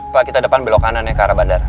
pak kita depan belok kanan ya ke arah bandara